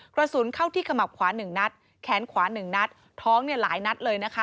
กระสุนเข้าที่ขมับขวา๑นัดแขนขวา๑นัดท้องเนี่ยหลายนัดเลยนะคะ